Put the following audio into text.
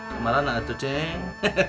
kemana atu ceng